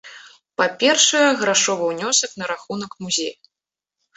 Па-першае, грашовы ўнёсак на рахунак музея.